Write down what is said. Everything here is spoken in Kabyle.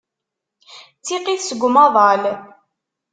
D tiqit seg umaḍal.